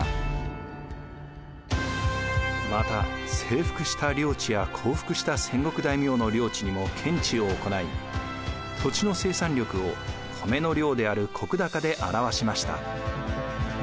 また征服した領地や降伏した戦国大名の領地にも検地を行い土地の生産力を米の量である石高で表しました。